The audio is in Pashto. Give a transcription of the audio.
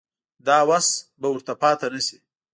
د وس به ورته پاتې نه شي.